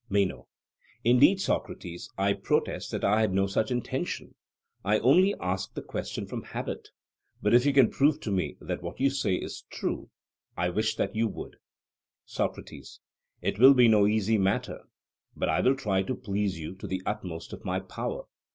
MENO: Indeed, Socrates, I protest that I had no such intention. I only asked the question from habit; but if you can prove to me that what you say is true, I wish that you would. SOCRATES: It will be no easy matter, but I will try to please you to the utmost of my power.